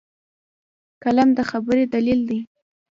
قلم د خبرې دلیل دی